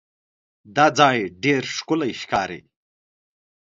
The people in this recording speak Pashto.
دا ځای ډېر ښکلی ښکاري.